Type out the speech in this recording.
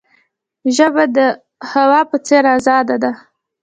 ژبه د هوا په څیر آزاده ده.